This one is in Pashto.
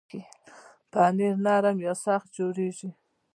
پنېر نرم یا سخت جوړېږي.